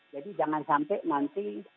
jadi jangan sampai nanti